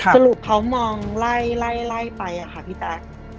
สรุปเขามองไล่ไปค่ะพี่แจ๊ค